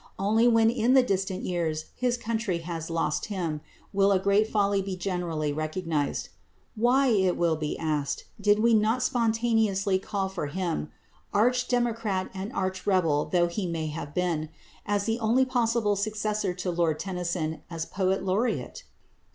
Only when in the distant years his country has lost him, will a great folly be generally recognised. Why, it will be asked, did we not spontaneously call for him arch democrat and arch rebel though he may have been as the only possible successor to Lord Tennyson as Poet Laureate?